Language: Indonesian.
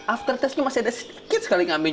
after testnya masih ada sedikit sekali kambing